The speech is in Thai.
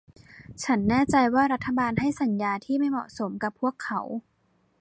ฉันแน่ใจว่ารัฐบาลให้สัญญาที่ไม่เหมาะสมกับพวกเขา